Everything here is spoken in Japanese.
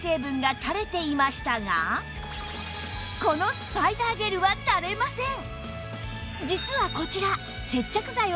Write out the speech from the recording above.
このスパイダージェルはたれません！